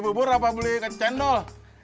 beli bubur apa beli kacang cendol